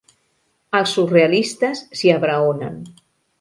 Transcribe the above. Els surrealistes s'hi abraonen.